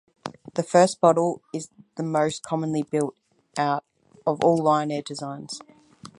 The first model is the most commonly built out of all Linear designs.